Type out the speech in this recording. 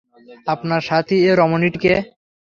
আপনার সাথী এ রমণীটি কে?